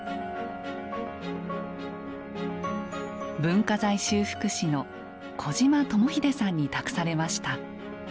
文化財修復師の小島知英さんに託されました。